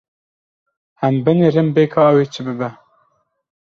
Em binêrin bê ka ew ê çi bibe.